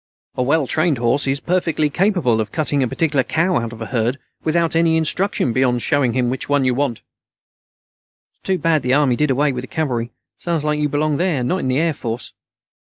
A well trained horse is perfectly capable of cutting a particular cow out of a herd without any instructions beyond showing him which one you want." "It's too bad the Army did away with the cavalry. Sounds like you belong there, not in the Air Force."